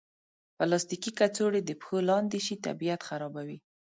پلاستيکي کڅوړې د پښو لاندې شي، طبیعت خرابوي.